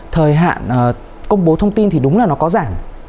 thời hạn công bố thông tin thì đúng là nó có giảm